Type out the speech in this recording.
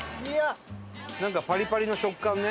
伊達：なんかパリパリの食感ね。